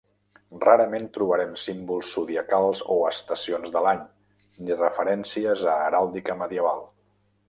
Rarament trobarem símbols zodiacals o estacions de l'any, ni referències a heràldica medieval.